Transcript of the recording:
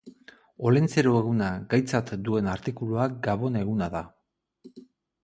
Olentzero eguna gaitzat duen artikulua Gabon eguna da.